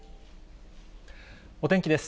お天気です。